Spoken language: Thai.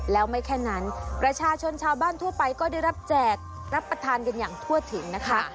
แล้วไม่แค่นั้นประชาชนชาวบ้านทั่วไปก็ได้รับแจกรับประทานกันอย่างทั่วถึงนะคะ